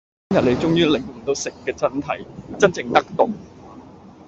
今日你終於領悟到食嘅真諦，真正得道